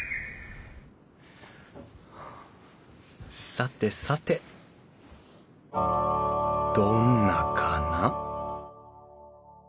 さてさてどんなかな？